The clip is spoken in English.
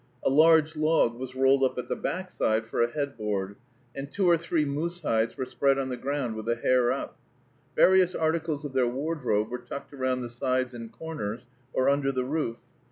A large log was rolled up at the back side for a headboard, and two or three moose hides were spread on the ground with the hair up. Various articles of their wardrobe were tucked around the sides and corners, or under the roof.